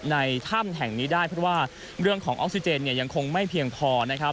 ในถ้ำแห่งนี้ได้เพราะว่าเรื่องของออกซิเจนเนี่ยยังคงไม่เพียงพอนะครับ